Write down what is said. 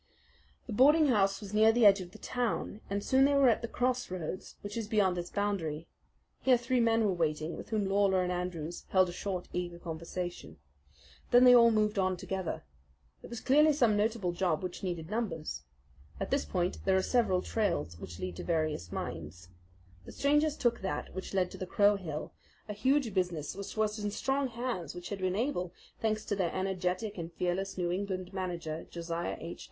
The boarding house was near the edge of the town, and soon they were at the crossroads which is beyond its boundary. Here three men were waiting, with whom Lawler and Andrews held a short, eager conversation. Then they all moved on together. It was clearly some notable job which needed numbers. At this point there are several trails which lead to various mines. The strangers took that which led to the Crow Hill, a huge business which was in strong hands which had been able, thanks to their energetic and fearless New England manager, Josiah H.